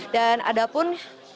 dan ada pun